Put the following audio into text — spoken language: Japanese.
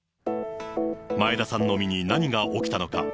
前田さんの身に何が起きたのか。